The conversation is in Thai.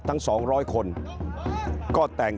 ทั้งสองร้อยคน